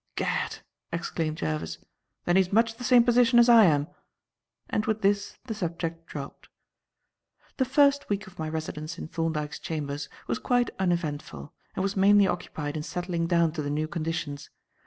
"Gad!" exclaimed Jervis, "then he is much the same position as I am." And with this the subject dropped. The first week of my residence in Thorndyke's chambers was quite uneventful, and was mainly occupied in settling down to the new conditions.